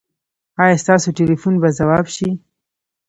ایا ستاسو ټیلیفون به ځواب شي؟